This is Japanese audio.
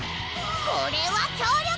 これは強力！